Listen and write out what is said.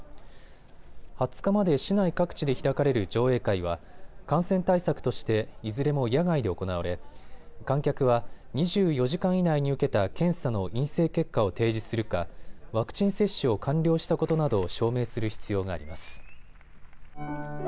２０日まで市内各地で開かれる上映会は感染対策としていずれも野外で行われ、観客は２４時間以内に受けた検査の陰性結果を提示するかワクチン接種を完了したことなどを証明する必要があります。